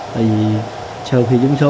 tại vì sau khi trúng số